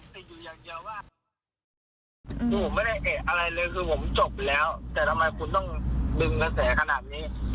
ผมไม่ได้อะไรเลยคือผมจบแล้วแต่ทำไมคุณต้องดึงเกษตรขนาดนี้